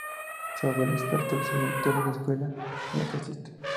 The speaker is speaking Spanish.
Su abuelo, experto, es el director de la escuela a la que asiste.